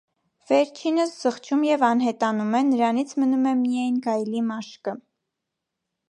Վերջինս զղջում և անհետանում է, նրանից մնում է միայն գայլի մաշկը։